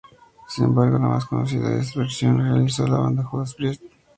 Sin embargo la más conocida es la versión que realizó la banda Judas Priest.